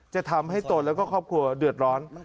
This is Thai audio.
จะทำให้ตนแล้วก็ครอบครัวเดือดร้อน